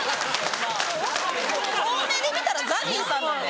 遠目で見たらＺＡＺＹさんなんで。